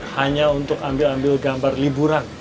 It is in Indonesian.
hanya untuk ambil ambil gambar liburan